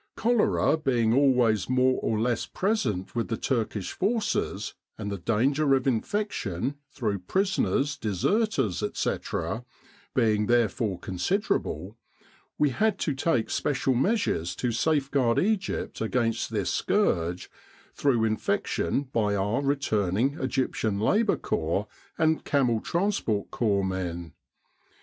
Cholera being always more or less present with the Turkish Forces, and the danger of infection, through prisoners, deserters, &c. 300 The Egyptian Labour Corps being therefore considerable, we had to take special measures to safeguard Egypt against this scourge through infection by our returning E.L.C. and C.T.C. men.